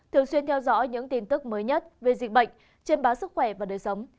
thường xuyên theo dõi những tin tức mới nhất về dịch bệnh trên báo sức khỏe và đời sống